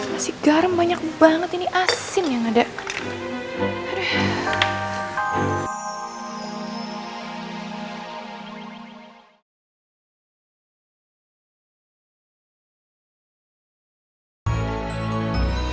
masih garam banyak banget ini asin ya nggak dek